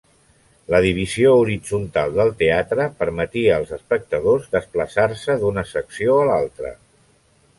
La divisió horitzontal del teatre permetia als espectadors desplaçar-se d'una secció a l'altra.